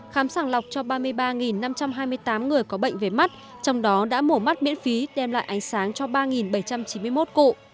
khám sàng lọc cho ba mươi ba năm trăm hai mươi tám người có bệnh về mắt trong đó đã mổ mắt miễn phí đem lại ánh sáng cho ba bảy trăm chín mươi một cụ